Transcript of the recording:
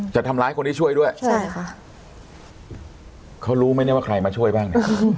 จะทำร้ายคนที่ช่วยด้วยใช่ค่ะเขารู้ไหมเนี่ยว่าใครมาช่วยบ้าง